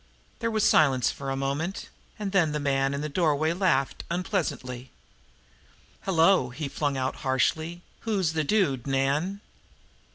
There was silence for a moment, and then the man in the doorway laughed unpleasantly. "Hello!" he flung out harshly. "Who's the dude, Nan?"